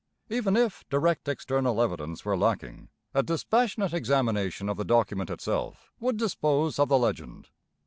Even if direct external evidence were lacking, a dispassionate examination of the document itself would dispose of the legend.